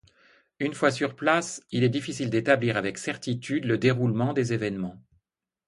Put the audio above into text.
Une fois sur place, il est difficile d'établir avec certitude le déroulement des événements.